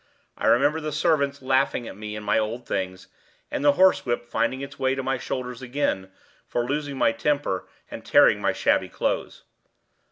I remember the servants laughing at me in my old things, and the horsewhip finding its way to my shoulders again for losing my temper and tearing my shabby clothes.